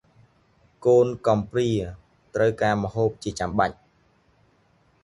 កូនកំព្រា ត្រូវការម្ហូបជាចាំបាច់ ។